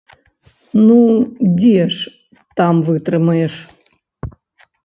Ну дзе ж там вытрымаеш!